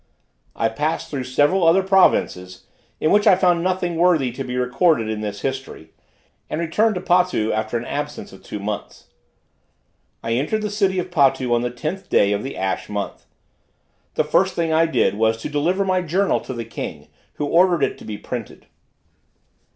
I passed through several other provinces, in which I found nothing worthy to be recorded in this history; and returned to Potu after an absence of two months. I entered the city of Potu on the tenth day of the Ash month. The first thing I did was to deliver my journal to the king, who ordered it to be printed.